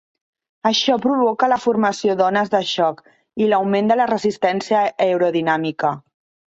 Això provoca la formació d'ones de xoc i l'augment de la resistència aerodinàmica.